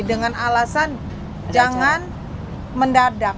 dengan alasan jangan mendadak